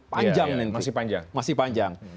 panjang nenvi masih panjang